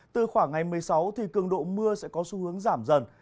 từ khoảng ngày một mươi sáu thì cường độ mưa sẽ có xu hướng giảm dần